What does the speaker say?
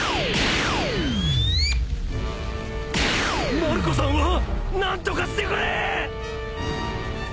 マルコさんは！？何とかしてくれぇ！！